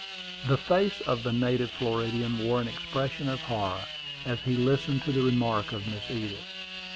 The face of the native Floridian wore an expression of horror as he listened to the remark of Miss Edith.